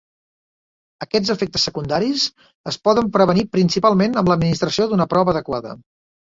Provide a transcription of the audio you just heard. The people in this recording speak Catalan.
Aquests efectes secundaris es poden prevenir principalment amb l'administració d'una prova adequada.